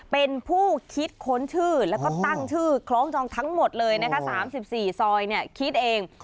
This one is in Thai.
เป็นผู้คิดค้นชื่อแล้วก็ตั้งชื่อคล้องจองทั้งหมดเลยนะคะ๓๔ซอยคิดเอง